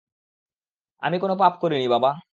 আমি কোন পাপ করিনি, বাবা।